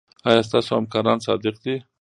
ایا ستاسو همکاران صادق دي؟